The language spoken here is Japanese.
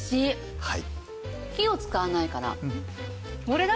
はい。